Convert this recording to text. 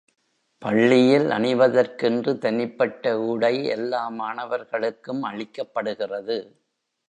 பள்ளியில் அணிவதற்கென்று தனிப்பட்ட உடை எல்லா மாணவர்களுக்கும் அளிக்கப்படுகிறது.